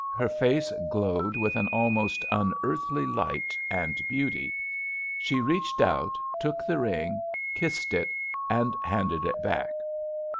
Her face glowed with an almost unearthly light and beauty. She reached out, took the ring, kissed it and handed it back.